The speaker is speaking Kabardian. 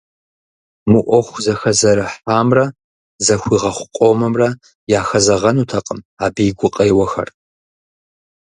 Мы Ӏуэху зэхэзэрыхьамрэ зэхуигъэхъу къомымрэ яхэзэгъэнутэкъым абы и гукъеуэхэр.